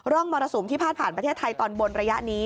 มรสุมที่พาดผ่านประเทศไทยตอนบนระยะนี้